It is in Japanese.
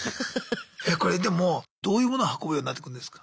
えこれでもどういうモノ運ぶようになってくんですか？